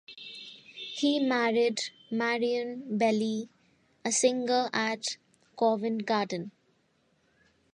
He married Marion Beeley, a singer at Covent Garden.